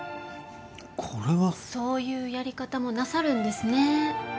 これはそういうやり方もなさるんですね